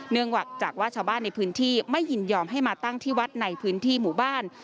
จากว่าชาวบ้านในพื้นที่ไม่ยินยอมให้มาตั้งที่วัดในพื้นที่หมู่บ้าน